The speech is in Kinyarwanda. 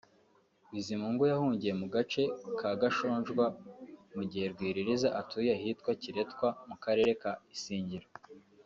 Bizimungu yahungiye mu gace ka Gashojwa mu gihe Rwiririza atuye ahitwa Kiretwa mu Karere ka Isingiro